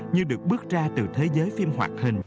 như được bước ra từ thế giới phim hoạt hình